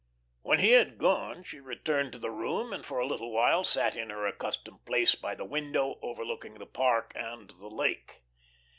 When he had gone she returned to the room, and for a little while sat in her accustomed place by the window overlooking the park and the lake.